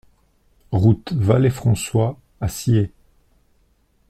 Route Vallée François à Ciez